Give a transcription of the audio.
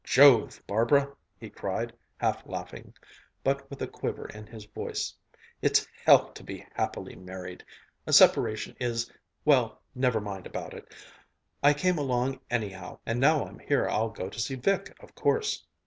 "Jove! Barbara!" he cried, half laughing, but with a quiver in his voice, "it's hell to be happily married! A separation is well, never mind about it. I came along anyhow! And now I'm here I'll go to see Vic of course."